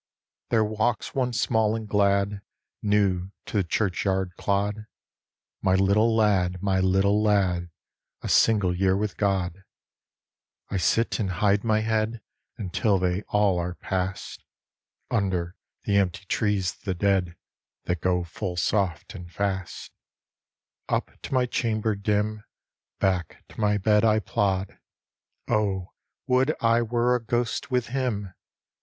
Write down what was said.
There walks one small and ^ad, New to the churchyard clod; My little lad, my little lad, A single year with God I I sit and hide my head Until they all are past, Under the empty trees the dead That go full soft and fast Up to my chamber dim. Back to my bed I plod ; Oh, would I were a ghost with him.